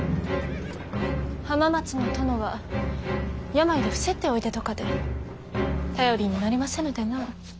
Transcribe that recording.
浜松の殿は病で伏せっておいでとかで頼りになりませぬでなあ。